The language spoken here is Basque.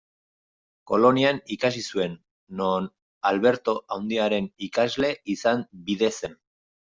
Kolonian ikasi zuen, non Alberto Handiaren ikasle izan bide zen.